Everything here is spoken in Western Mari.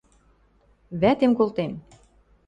– Вӓтем колтем.